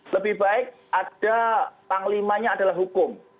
lebih baik ada panglimanya adalah hukum